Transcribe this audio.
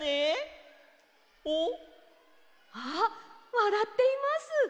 わらっています！